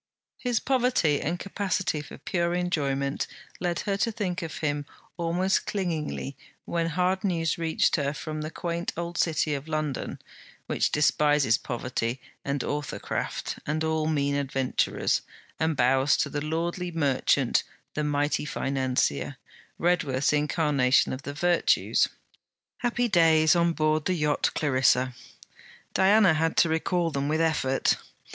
His poverty and capacity for pure enjoyment led her to think of him almost clingingly when hard news reached her from the quaint old City of London, which despises poverty and authorcraft and all mean adventurers, and bows to the lordly merchant, the mighty financier, Redworth's incarnation of the virtues. Happy days on board the yacht Clarissa! Diana had to recall them with effort.